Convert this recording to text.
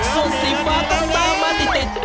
ส่วนสีฝาต้องตามมาติด